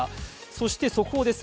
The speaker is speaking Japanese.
そして速報です。